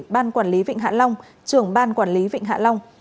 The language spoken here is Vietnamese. ban quản lý vịnh hạ long trưởng ban quản lý vịnh hạ long